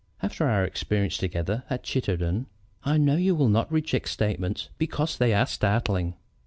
After our experience together at Chittenden I know you will not reject statements because they are startling.